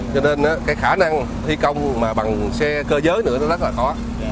cho nên cái khả năng thi công mà bằng xe cơ giới nữa nó rất là khó